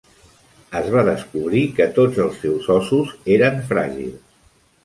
Es va descobrir que tots els seus ossos eren fràgils.